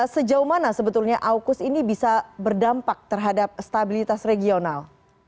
sejauh mana sebetulnya aukus ini bisa berdampak terhadap stabilitas regional